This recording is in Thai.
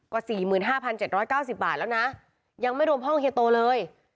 กว่าสี่หมื่นห้าพันเจ็ดร้อยเก้าสิบบาทแล้วนะยังไม่รวมห้องเฮโตเลย